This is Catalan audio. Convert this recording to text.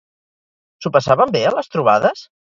S'ho passaven bé a les trobades?